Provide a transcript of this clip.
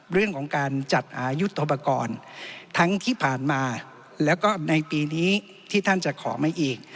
เรื่องของการจัดอายุทปกรณ์ทั้งที่ผ่านมาแล้วก็ในปีนี้ที่ท่านจะขอมาอีก